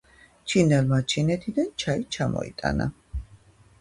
ჩინელმა ჩინეთიდან ჩაი ჩამოიტანა.